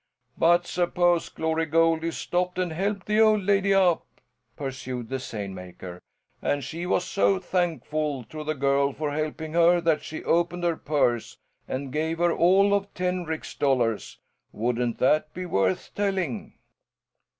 "But suppose Glory Goldie stopped and helped the old lady up?" pursued the seine maker, "and she was so thankful to the girl for helping her that she opened her purse and gave her all of ten rix dollars wouldn't that be worth telling?"